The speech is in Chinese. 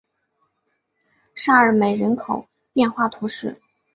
沙尔梅人口变化图示